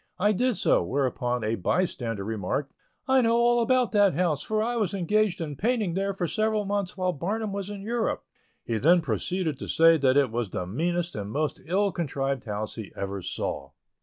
I did so, whereupon a bystander remarked, "I know all about that house, for I was engaged in painting there for several months while Barnum was in Europe." He then proceeded to say that it was the meanest and most ill contrived house he ever saw.